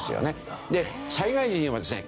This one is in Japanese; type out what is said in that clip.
災害時にはですね